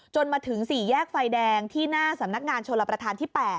มาถึง๔แยกไฟแดงที่หน้าสำนักงานชนรับประทานที่๘